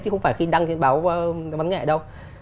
chứ không phải khi đăng trên báo văn nghệ đâu